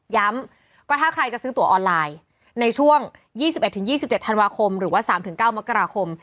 ย้ำก็ถ้าใครจะซื้อตัวออนไลน์ในช่วง๒๑๒๗ธันวาคมหรือว่า๓๙มกราคม